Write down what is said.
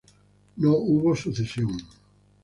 No hubo sucesión.